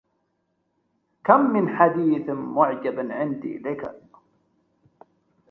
كم من حديث معجب عندي لكا